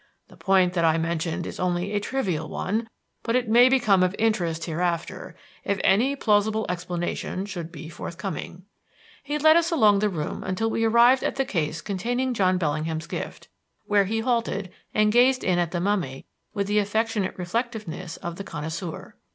The point that I mentioned is only a trivial one, but it may become of interest hereafter if any plausible explanation should be forthcoming." He led us along the room until we arrived at the case containing John Bellingham's gift, where he halted and gazed in at the mummy with the affectionate reflectiveness of the connoisseur.